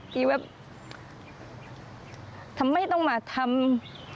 แต่เธอก็ไม่ละความพยายาม